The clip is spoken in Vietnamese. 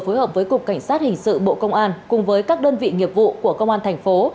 phối hợp với cục cảnh sát hình sự bộ công an cùng với các đơn vị nghiệp vụ của công an thành phố